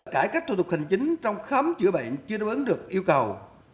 cải cách thủ tục hành chính trong khám chữa bệnh chưa đáp ứng được yêu cầu